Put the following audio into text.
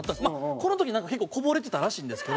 この時、なんか、結構こぼれてたらしいんですけど。